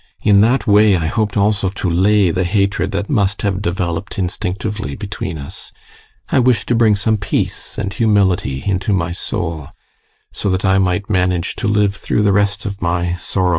In that way I hoped also to lay the hatred that must have developed instinctively between us; I wished to bring some peace and humility into my soul, so that I might manage to live through the rest of my sorrowful days.